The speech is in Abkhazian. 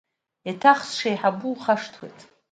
Еиҭах сшеиҳабу ухашҭуеит.